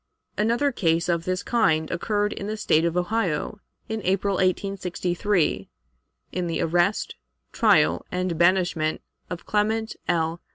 Another case of this kind occurred in the State of Ohio, in April, 1863, in the arrest, trial, and banishment of Clement L.